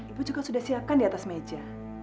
ibu juga sudah siapkan di atas meja